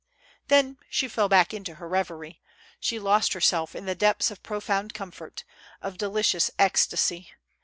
Then, she fell back into her reverie; she lost herself in the depths of profound comfort, of delicious ecstasy.